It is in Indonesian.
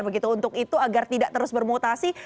begitu untuk itu agar tidak terus bermutasi